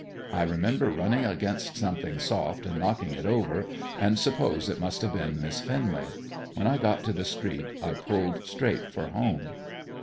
I remember running against something soft and knocking it over and suppose it must have been Miss Finnely. When I got to the street I pulled straight for home.